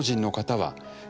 はい。